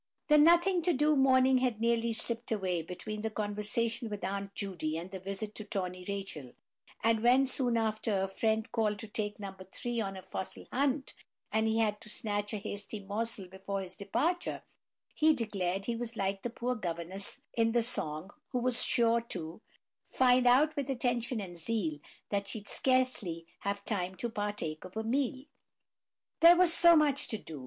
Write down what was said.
The "nothing to do" morning had nearly slipped away, between the conversation with Aunt Judy, and the visit to Tawny Rachel; and when, soon after, a friend called to take No. 3 off on a fossil hunt, and he had to snatch a hasty morsel before his departure, he declared he was like the poor governess in the song, who was sure to "Find out, With attention and zeal, That she'd scarcely have time To partake of a meal," there was so much to do.